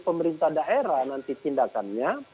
pemerintah daerah nanti tindakannya